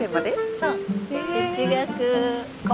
そう。